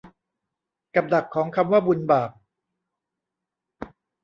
กับดักของคำว่าบุญบาป